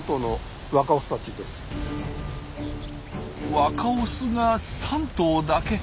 若オスが３頭だけ。